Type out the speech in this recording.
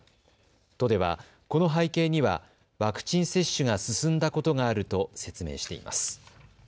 都では、この背景にはワクチン接種が進んだことがあると説明しています。